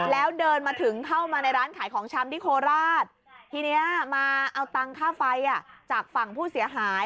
แล้วเดินมาถึงเข้ามาในร้านขายของชำที่โคราชทีนี้มาเอาตังค่าไฟจากฝั่งผู้เสียหาย